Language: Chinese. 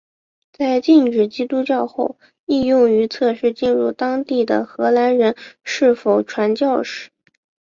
在禁止基督教后亦用于测试进入当地的荷兰人是否传教士。